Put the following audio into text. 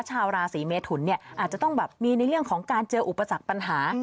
ชาวราศีเมทุนเนี่ยอาจจะต้องแบบมีในเรื่องของการเจออุปสรรคปัญหา